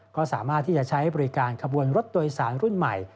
ก็สามารถที่จะใช้บริการขบวนรถโดยสารรุ่นใหม่